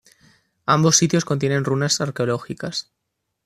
Ambos sitios contienen ruinas arqueológicas.